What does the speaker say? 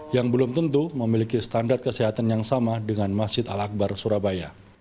yang belum tentu memiliki standar kesehatan yang sama dengan masjid al akbar surabaya